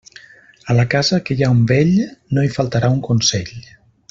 A la casa que hi ha un vell, no hi faltarà un consell.